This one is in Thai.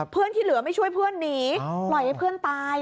ที่เหลือไม่ช่วยเพื่อนหนีปล่อยให้เพื่อนตาย